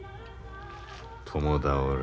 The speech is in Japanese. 共倒れ。